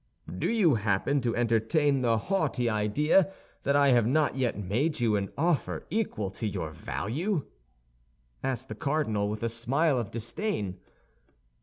"Do you happen to entertain the haughty idea that I have not yet made you an offer equal to your value?" asked the cardinal, with a smile of disdain.